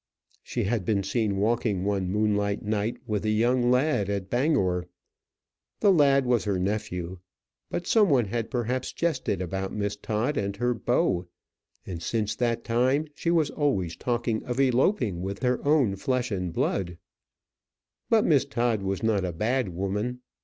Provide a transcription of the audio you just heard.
She had been seen walking one moonlight night with a young lad at Bangor: the lad was her nephew; but some one had perhaps jested about Miss Todd and her beau, and since that time she was always talking of eloping with her own flesh and blood. But Miss Todd was not a bad woman.